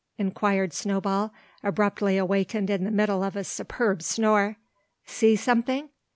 inquired Snowball, abruptly awakened in the middle of a superb snore; "see something!